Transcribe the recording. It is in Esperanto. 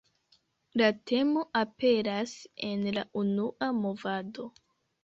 La temo aperas en la unua movado.